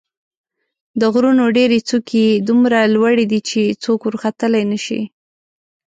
د غرونو ډېرې څوکې یې دومره لوړې دي چې څوک ورختلای نه شي.